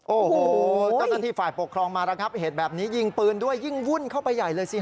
โอ้โหเจ้าหน้าที่ฝ่ายปกครองมาระงับเหตุแบบนี้ยิงปืนด้วยยิ่งวุ่นเข้าไปใหญ่เลยสิฮ